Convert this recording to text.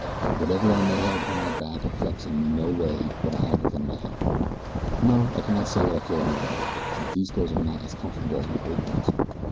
Whatever I may have upon my back affects in no way what I have within my head. No, I cannot say that I feel any better, since these clothes are not as comfortable as my old ones.